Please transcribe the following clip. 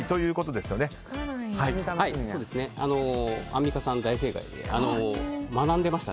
アンミカさん大正解です。